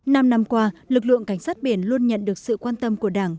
năm năm qua lực lượng cảnh sát biển luôn nhận được sự quan tâm của đảng